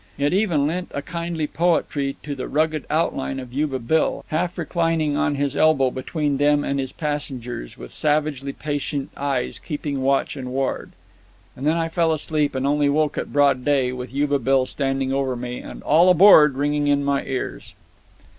It even lent a kindly poetry to the rugged outline of Yuba Bill, half reclining on his elbow between them and his passengers, with savagely patient eyes keeping watch and ward. And then I fell asleep and only woke at broad day, with Yuba Bill standing over me, and "All aboard" ringing in my ears.